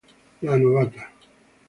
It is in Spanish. La novata